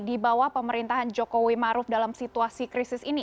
di bawah pemerintahan jokowi maruf dalam situasi krisis ini